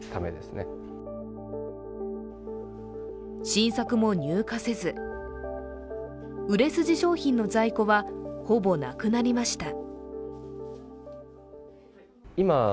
新作も入荷せず、売れ筋商品の在庫はほぼなくなりました。